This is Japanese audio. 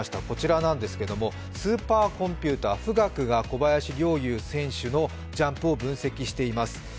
こちらなんですけれども、スーパーコンピューター富岳が小林陵侑選手のジャンプを分析しています。